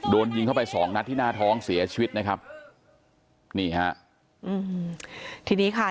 โดนยิงเข้าไป๒นัทที่หน้าท้องเสียชีวิตนะครับทีนี้ค่ะ